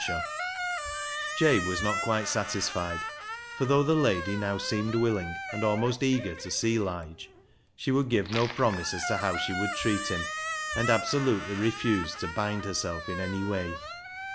igS BECKSIDE LIGHTS Jabe was not quite satisfied, for though the lady now seemed wilHng, and almost eager, to see Lige, she would give no promise as to how she would treat him, and absolutely refused to bind herself in any way.